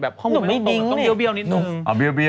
บางทีคุณแม่คนเขียนแบบนี้